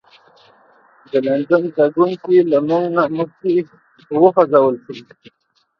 د لندن تګونکي له موږ نه مخکې وخوځول شول.